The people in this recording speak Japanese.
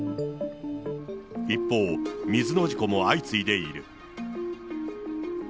一方、水の事故も相次いでいる。